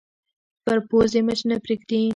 پر پوزې مچ نه پرېږدي